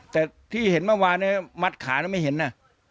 แต่ที่เห็นเมื่อวานเนี่ยมัดขาแล้วไม่เห็นนะ